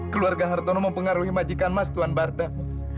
keluarga hartono mempengaruhi majikan mas tuhan bardah